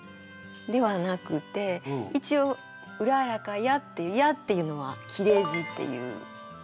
ではなくて一応「うららかや」っていう「や」っていうのは切れ字っていう。